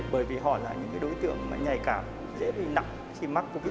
bởi vì họ là những đối tượng nhạy cảm dễ bị nặng khi mắc covid một mươi